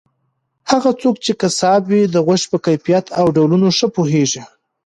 هغه څوک چې قصاب وي د غوښې په کیفیت او ډولونو ښه پوهیږي.